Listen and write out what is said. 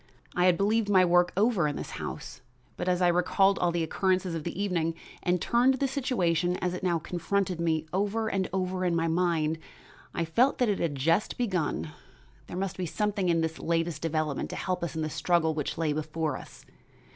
I had believed my work over in this house, but as I recalled all the occurrences of the evening and turned the situation, as it now confronted me, over and over in my mind, I felt that it had just begun. There must be something in this latest development to help us in the struggle which lay before us.